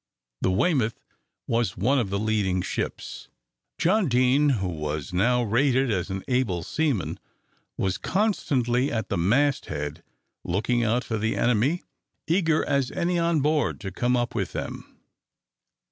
The "Weymouth" was one of the leading ships. Jack Deane, who was now rated as an able seaman, was constantly at the mast head looking out for the enemy, eager as any on board to come up with them.